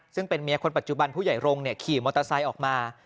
ซึ่งเป็นเมียคนปัจจุบันผู้ใหญ่รงค์ขี่มอเตอร์ไซค์ออกมา